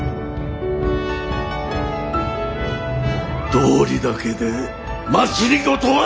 道理だけで政はできぬ！